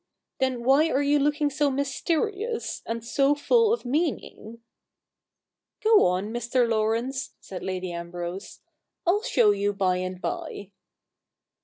Then why are you looking so mysterious, and so full of meaning ?'* Go on, Mr. Laurence,' said Lady Ambrose. ' I'll show you by and by.'